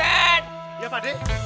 iya pak dek